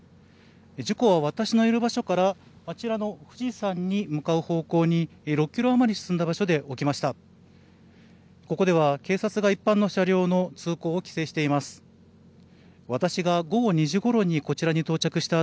事故は私のいる場所から、あちらの富士山に向かう方向に、６キロ余り進んだ場所で起きました。